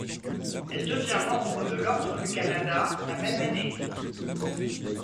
Elle devient membre de l'Ordre du Canada la même année.